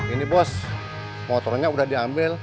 ini bos motornya udah diambil